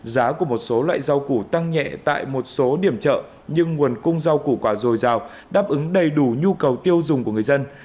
giá của một số loại rau củ tăng nhẹ tại một số điểm chợ nhưng nguồn cung rau củ quả dồi dào đáp ứng đầy đủ nhu cầu tiêu dùng của người dân